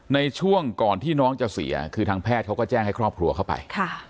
ในช่วงก่อนที่น้องจะเสียคือทางแพทย์เขาก็แจ้งให้ครอบครัวเข้าไป